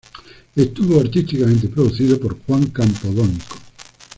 Estuvo artísticamente producido por Juan Campodónico.